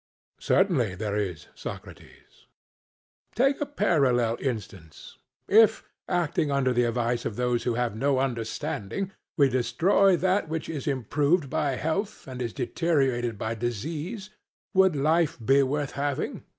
CRITO: Certainly there is, Socrates. SOCRATES: Take a parallel instance: if, acting under the advice of those who have no understanding, we destroy that which is improved by health and is deteriorated by disease, would life be worth having?